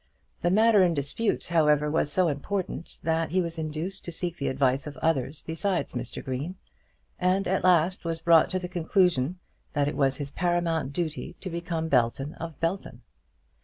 The matter in dispute, however, was so important that he was induced to seek the advice of others besides Mr. Green, and at last was brought to the conclusion that it was his paramount duty to become Belton of Belton.